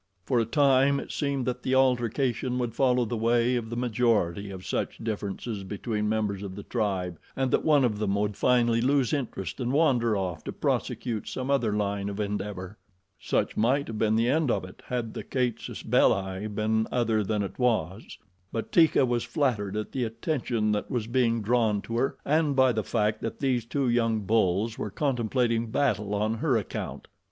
For a time it seemed that the altercation would follow the way of the majority of such differences between members of the tribe and that one of them would finally lose interest and wander off to prosecute some other line of endeavor. Such might have been the end of it had the CASUS BELLI been other than it was; but Teeka was flattered at the attention that was being drawn to her and by the fact that these two young bulls were contemplating battle on her account.